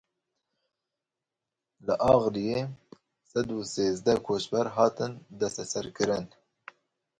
Li Agiriyê sed û sêzdeh koçber hatin desteserkirin.